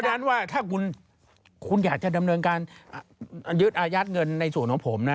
ฉะนั้นว่าถ้าคุณอยากจะดำเนินการยึดอายัดเงินในส่วนของผมนะ